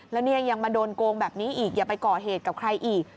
แล้วเนี่ยยังมาโดนโกงแบบนี้อีกอย่าไปก่อเหตุกับใครอีก